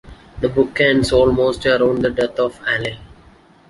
The book ends almost around the death of Ali.